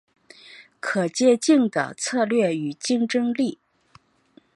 可借镜的策略与竞争力